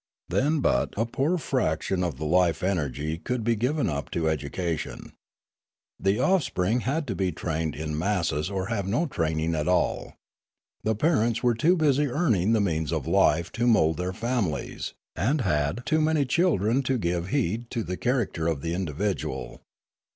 Then but a poor fraction of the life energy could be given up to education. The offspring had to be trained in masses 38 Limanora or have no training at all. The parents were too busy earning the means of life to mould their fami lies, and had too many children to give heed to the character of the individual.